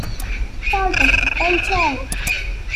Part of the Punch-Out!!